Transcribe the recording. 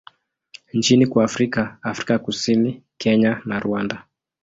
nchini kwa Afrika Afrika Kusini, Kenya na Rwanda.